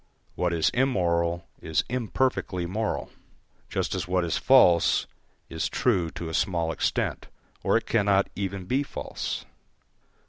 What is immoral is imperfectly moral, just as what is false is true to a small extent, or it cannot even be false.